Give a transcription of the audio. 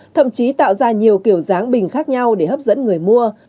thậm chí tạo ra nhiều kiểu dáng bình khác nhau để hấp dẫn người mua